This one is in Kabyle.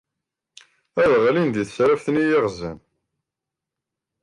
Ad ɣlin di tesraft-nni i iyi-ɣzen.